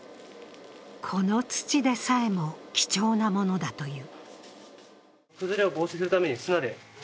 この土でさえも貴重なものだという。